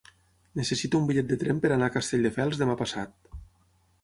Necessito un bitllet de tren per anar a Castelldefels demà passat.